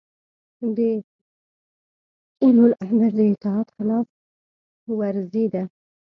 د اولوامر د اطاعت خلاف ورزي ده